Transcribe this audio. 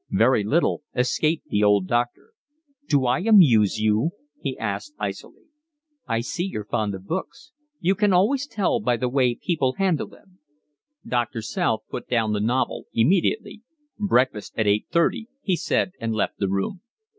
Very little escaped the old doctor. "Do I amuse you?" he asked icily. "I see you're fond of books. You can always tell by the way people handle them." Doctor South put down the novel immediately. "Breakfast at eight thirty," he said and left the room.